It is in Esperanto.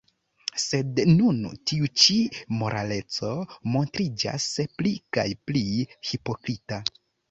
Sed nun tiu ĉi moraleco montriĝas pli kaj pli hipokrita.